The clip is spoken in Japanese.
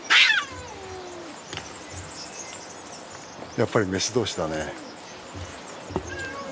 やっぱりメス同士だね。